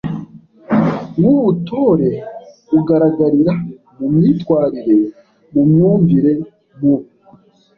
w’Ubutore ugaragarira mu myitwarire, mu myumvire, mu